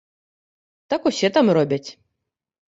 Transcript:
Так усе там робяць.